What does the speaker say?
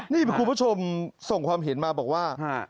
นี่คุณผู้ชมส่งความเห็นมาบอกว่า